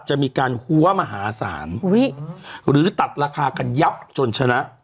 จะมีการหัวมหาศาลหรือตัดราคากันยับจนชนะ